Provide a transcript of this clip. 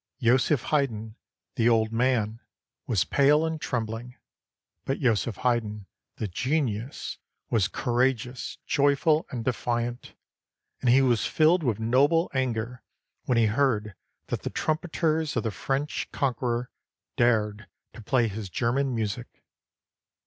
Joseph Haydn, the old man, was pale and trembling, but Joseph Haydn, the genius, was courageous, joyful, and defiant, and he was filled with noble anger when he heard that the trumpeters of the French conqueror dared to play his German music.